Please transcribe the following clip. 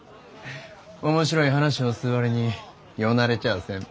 面白い話をする割に世慣れちゃあせん。